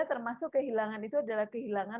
termasuk kehilangan itu adalah kehilangan